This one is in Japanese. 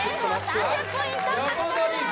３０ポイント獲得です